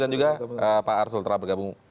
dan juga pak arsul telah bergabung